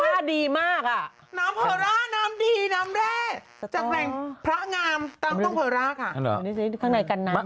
ค่ะดีมากน้ำเผล้าน้ำดีน้ำแร่จังแรงพระงามตั้งตรงเผล้าค่ะนี่ข้างในกันน้ำ